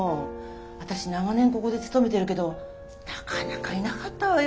私長年ここで勤めてるけどなかなかいなかったわよ